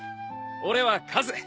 俺はカズ。